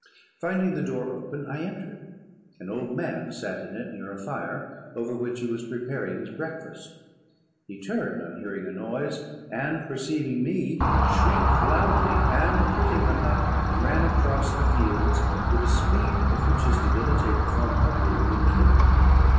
Finding the door open, I entered. An old man sat in it, near a fire, over which he was preparing his breakfast. He turned on hearing a noise; and, perceiving me, shrieked loudly, and, quitting the hut, ran across the fields with a speed of which his debilitated form hardly appeared capable.